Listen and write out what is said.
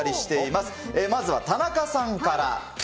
まずは田中さんから。